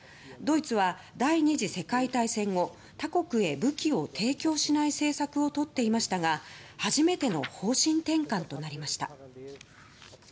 ドイツは第２次世界大戦後他国へ武器を提供しない政策をとっていましたが初めての方針転換となりました。